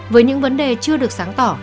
với những vấn đề chưa được sáng tỏ